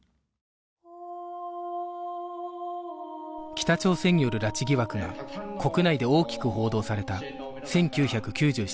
北朝鮮による拉致疑惑が国内で大きく報道された１９９７年